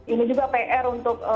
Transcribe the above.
ini juga pr untuk